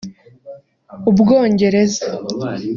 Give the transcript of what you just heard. u Bwongereza